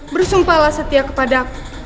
bersumpahlah setia kepada aku